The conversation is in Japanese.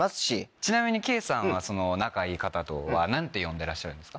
ちなみに圭さんはその仲いい方は何て呼んでらっしゃるんですか？